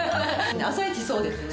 朝イチそうですね。